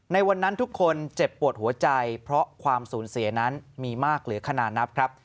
ในวันนั้นทุกคนเจ็บปวดหัวใจเพราะความสูญเสียนั้นมีมากเหลือขนาดนับครับ